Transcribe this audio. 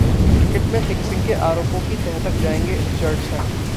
cricket में fixing के आरोपों की तह तक जाएंगे: रिचर्डसन